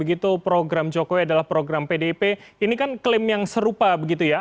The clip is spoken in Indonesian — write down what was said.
itu program jokowi adalah program pdip ini kan klaim yang serupa begitu ya